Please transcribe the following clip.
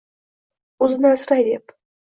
O’zini asray deb